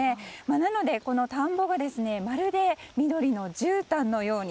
なので、田んぼがまるで緑のじゅうたんのように。